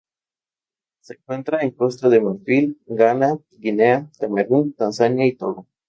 Se encuentra en Costa de Marfil, Ghana, Guinea, Camerún, Tanzania y Togo.